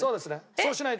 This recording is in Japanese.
そうしないと。